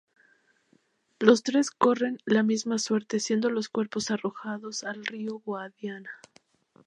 Los tres corren la misma suerte siendo los cuerpos arrojados al río Guadiana.